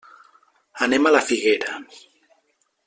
Anem a la Figuera.